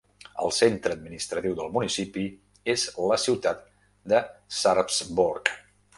El centre administratiu del municipi és la ciutat de Sarpsborg.